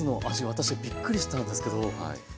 私はびっくりしたんですけど。